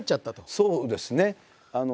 そうですね。